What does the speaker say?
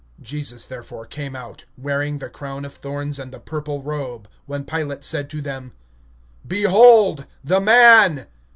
(5)Jesus therefore came forth, wearing the crown of thorns, and the purple robe. And he says to them: Behold the man!